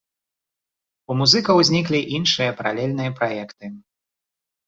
У музыкаў узніклі іншыя паралельныя праекты.